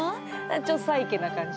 ちょっとサイケな感じ。